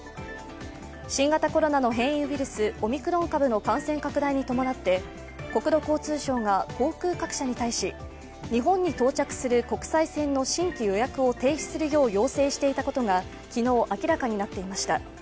新型コロナの変異ウイルス、オミクロン株の感染拡大に伴って国土交通省が航空各社に対し、日本に到着する国際線の新規予約を停止するよう要請していたことが昨日、明らかになっていました。